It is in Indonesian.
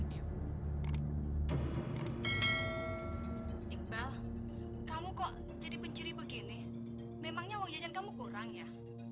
iqbal kamu kok jadi pencuri begini memangnya uang jajan kamu kurang ya